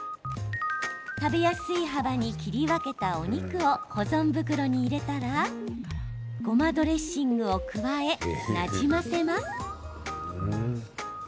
食べやすい幅に切り分けたお肉を保存袋に入れたらごまドレッシングを加えなじませます。